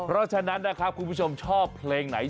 เพราะฉะนั้นนะครับคุณผู้ชมชอบเพลงไหน